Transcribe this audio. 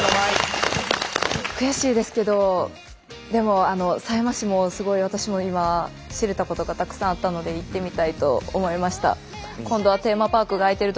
悔しいですけどでも狭山市も私も今知れたことがたくさんあったので行ってみたいと思いました。